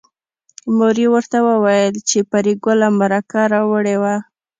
مور یې ورته وویل چې پري ګله مرکه راوړې وه